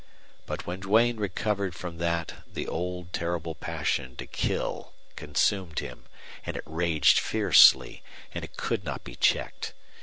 But when Duane recovered from that the old terrible passion to kill consumed him, and it raged fiercely and it could not be checked.